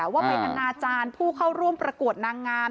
ว่าไปอนาจารย์ผู้เข้าร่วมประกวดนางงาม